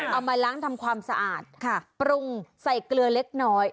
เอามาล้างทำความสะอาดปรุงใส่เกลือเล็กน้อย